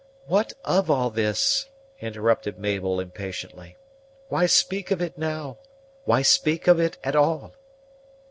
"What of all this?" interrupted Mabel impatiently; "Why speak of it now why speak of it at all?"